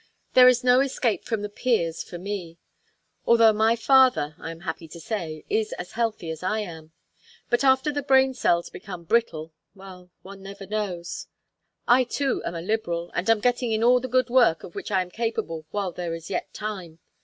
"There is no escape from the 'Peers' for me, although my father, I am happy to say, is as healthy as I am. But after the brain cells become brittle one never knows. I too am a Liberal, and am getting in all the good work of which I am capable while there is yet time.